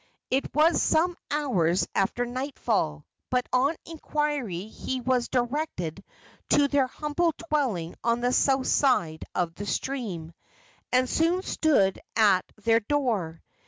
It was some hours after nightfall, but on inquiry he was directed to their humble dwelling on the south side of the stream, and soon stood at their door.